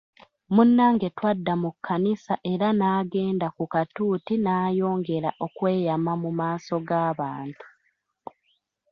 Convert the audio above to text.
Munnange twadda mu kkanisa era n'agenda ku katuuti n'ayongera okweyama mu maaso g'abantu.